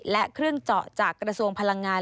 และเครื่องเจาะจากกระทรวงพลังงาน